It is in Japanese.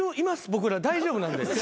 僕ら大丈夫なんで。